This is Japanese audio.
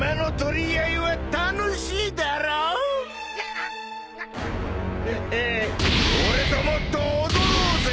ハハッ俺ともっと踊ろうぜ！